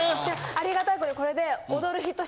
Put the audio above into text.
ありがたいことにこれで。